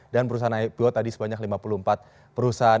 dan perusahaan ipo tadi sebanyak lima puluh empat perusahaan